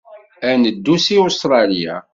Ad neddu seg Ustṛalya.